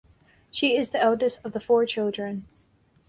She is the eldest of the four children.